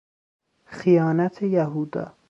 خیانت یهودا